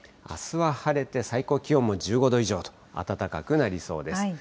あすは晴れて、最高気温も１５度以上と、暖かくなりそうです。